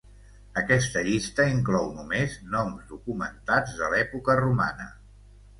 Aquesta llista inclou només noms documentats de l'època romana.